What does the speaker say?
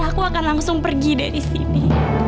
aku akan langsung pergi dari sini